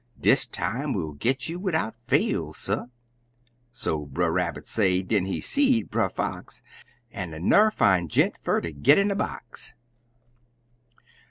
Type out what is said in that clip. "Dis time we'll git you widout fail, suh!" So Brer Rabbit say; den he seed Brer Fox "An' an'er fine gent fer ter git in a box!"